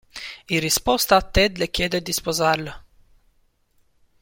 In risposta, Ted le chiede di sposarlo.